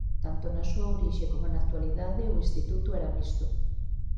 Tanto na súa orixe como na actualidade o instituto era mixto.